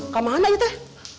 kamu mana teh